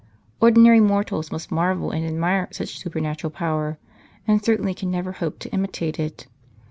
Ordinary mortals must marvel and admire such supernatural power, and certainly can never hope to imitate it.